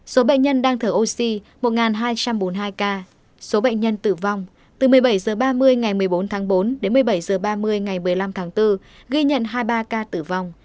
số bệnh nhân đang thở oxy một hai trăm bốn mươi hai ca số bệnh nhân tử vong từ một mươi bảy h ba mươi ngày một mươi bốn tháng bốn đến một mươi bảy h ba mươi ngày một mươi năm tháng bốn ghi nhận hai mươi ba ca tử vong